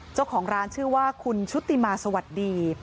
เจ้าของร้านชื่อว่าคุณชุติมาสวัสดี